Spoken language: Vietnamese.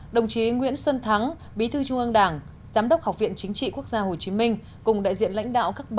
đồng chí nguyễn xuân thắng bí thư trung ương đảng giám đốc học viện chính trị quốc gia hồ chí minh